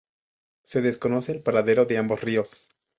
Se desconoce el paradero de ambos ríos.